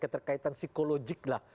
keterkaitan psikologik lah